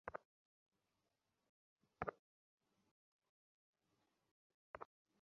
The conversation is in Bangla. আবার হামলার জন্য ককটেল বানাতে গিয়ে মেছের মাদবরের ভাতিজা মারা গেছে।